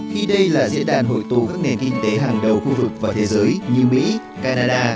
khi đây là diễn đàn hội tụ các nền kinh tế hàng đầu khu vực và thế giới như mỹ canada